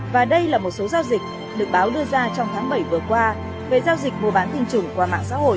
và đây là một số giao dịch được báo đưa ra trong tháng bảy vừa qua về giao dịch mua bán tinh trùng qua mạng xã hội